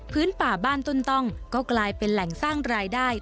ป่าบ้านต้นต้องก็กลายเป็นแหล่งสร้างรายได้